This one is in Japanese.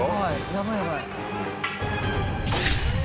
やばいやばい。